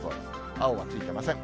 青はついてません。